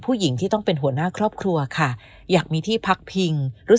ผู้หญิงที่ต้องเป็นหัวหน้าครอบครัวค่ะอยากมีที่พักพิงรู้สึก